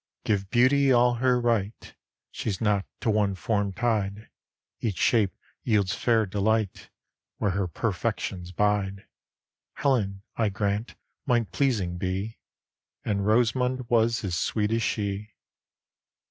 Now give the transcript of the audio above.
GIVE beauty all her right, She's not to one forme tyed; Each shape yeelds faire delight, Where her perfections bide. Helen, I grant, might pleasing be; And Ros'mond was as sweet as shee.